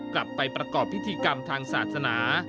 กลับไปประกอบพิธีกรรมทางศาสนา